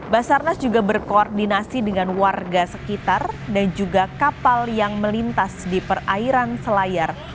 basarnas juga berkoordinasi dengan warga sekitar dan juga kapal yang melintas di perairan selayar